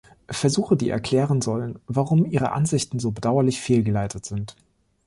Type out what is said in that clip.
Versuche, die erklären sollen, warum ihre Ansichten so bedauerlich fehlgeleitet sind.